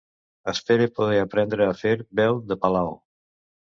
Espere poder aprendre a fer veu de Palao.